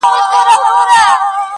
ما دا څه عمرونه تېر کړله بېځایه!